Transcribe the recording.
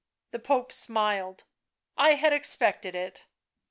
The Pope smiled. " I had expected it."